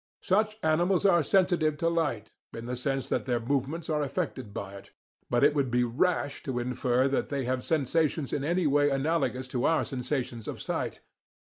Such animals are sensitive to light, in the sense that their movements are affected by it; but it would be rash to infer that they have sensations in any way analogous to our sensations of sight.